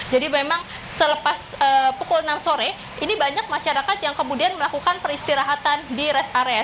jadi memang selepas pukul enam sore ini banyak masyarakat yang kemudian melakukan peristirahatan di rest area